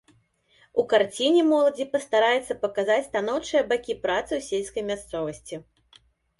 У карціне моладзі пастараюцца паказаць станоўчыя бакі працы ў сельскай мясцовасці.